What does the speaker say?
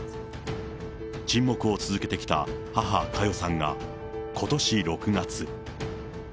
沈黙を続けてきた母、佳代さんが、ことし６月。